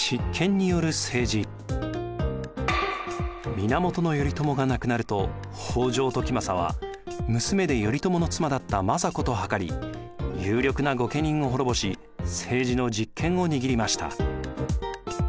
源頼朝が亡くなると北条時政は娘で頼朝の妻だった政子と謀り有力な御家人を滅ぼし政治の実権を握りました。